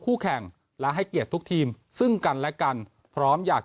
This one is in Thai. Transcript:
คู่แข่งและให้เกียรติทุกทีมซึ่งกันและกันพร้อมอยาก